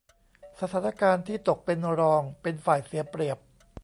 สถานการณ์ที่ตกเป็นรองเป็นฝ่ายเสียเปรียบ